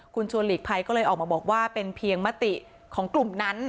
คุณชวนหลีกภัยก็เลยออกมาบอกว่าเป็นเพียงมติของกลุ่มนั้น